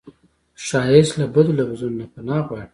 ښایست له بدو لفظونو نه پناه غواړي